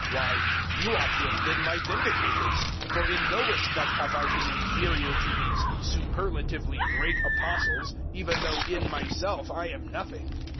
Why, you ought to have been my vindicators; for in no respect have I been inferior to these superlatively great Apostles, even though in myself I am nothing.